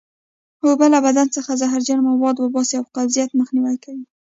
اوبه له بدن څخه زهرجن مواد وباسي او قبضیت مخنیوی کوي